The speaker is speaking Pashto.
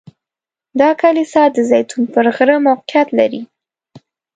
دا کلیسا د زیتون پر غره موقعیت لري.